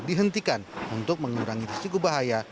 dihentikan untuk mengurangi risiko bahaya